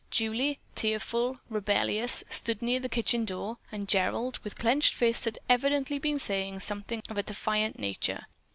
Julie, tearful, rebellious, stood near the kitchen door, and Gerald, with clenched fists, had evidently been saying something of a defiant nature.